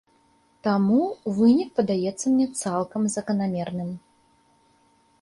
Таму вынік падаецца мне цалкам заканамерным.